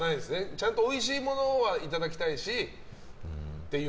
ちゃんとおいしいものはいただきたいしっていう。